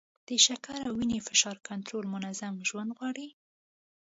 د شکر او وینې فشار کنټرول منظم ژوند غواړي.